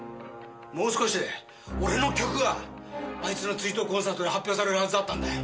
もう少しで俺の曲があいつの追悼コンサートで発表されるはずだったんだよ。